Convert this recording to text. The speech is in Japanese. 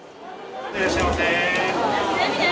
いらっしゃいませ。